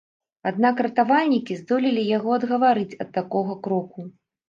Аднак ратавальнікі здолелі яго адгаварыць ад такога кроку.